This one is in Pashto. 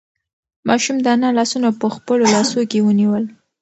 ماشوم د انا لاسونه په خپلو لاسو کې ونیول.